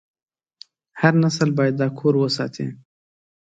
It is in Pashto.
هر نسل باید دا کور وساتي.